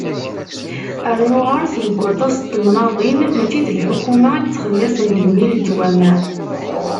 Rnu ɣer-s, deg waṭas n temnaḍin, mačči d lḥukuma i yettxellisen lebni n leǧwamaɛ.